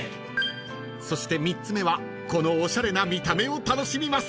［そして３つ目はこのおしゃれな見た目を楽しみます］